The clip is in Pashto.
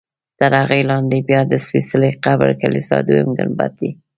تر هغه لاندې بیا د سپېڅلي قبر کلیسا دویم ګنبد دی.